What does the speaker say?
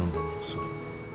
それ。